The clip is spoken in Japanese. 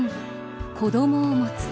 「子どもを持つ」。